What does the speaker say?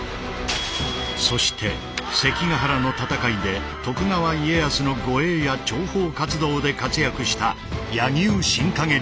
そして関ヶ原の戦いで徳川家康の護衛や諜報活動で活躍した柳生新陰流。